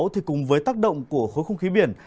thì cùng với tác động của khối không khí biển